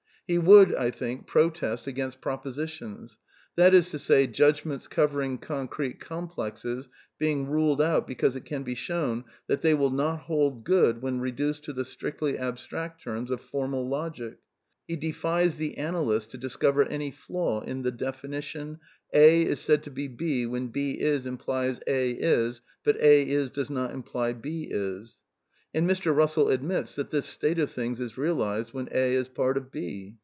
He would, I think, protest against propositions, that is to say, judgments cover ing concrete complexes being ruled out because it can be shown that they will not hold good when reduced to the strictly abstract terms of formal logic. He defies the analyst to discover any flaw in the definition: A is said to be part of B when " B is '* implies " A is " but " A is " does not imply ^^B is." And Mr. Bussell admits that ^^ this state of things is realized when A is part of B."